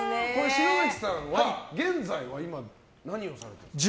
城咲さんは現在は何をされてるんですか？